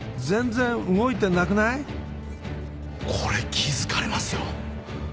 これ気付かれますよ。